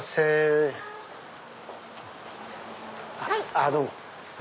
あっどうも。